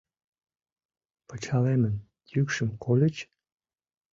— Пычалемын йӱкшым кольыч?